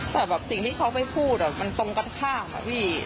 แต่แบบสิ่งที่เขาไปพูดมันตรงกันข้ามอะพี่